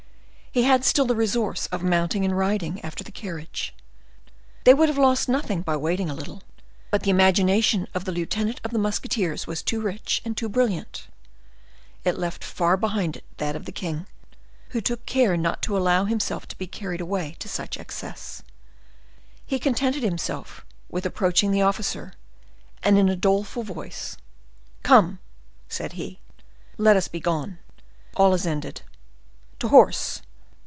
He had still the resource of mounting and riding after the carriage; they would have lost nothing by waiting a little. But the imagination of the lieutenant of the musketeers was too rich and too brilliant; it left far behind it that of the king, who took care not to allow himself to be carried away to such excess. He contented himself with approaching the officer, and in a doleful voice, "Come," said he, "let us be gone; all is ended. To horse!"